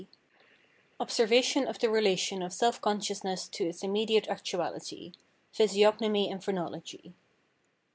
Obseevation of the relation oe Sele Consciousness TO ITS immediate ACTUALITY — PHYSIOGNOMY AND Phrenology.